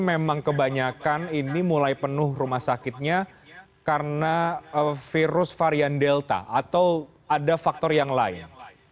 memang kebanyakan ini mulai penuh rumah sakitnya karena virus varian delta atau ada faktor yang lain